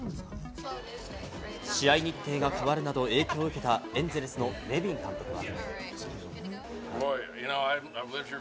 試合日程が変わるなど影響を受けたエンゼルスのネビン監督は。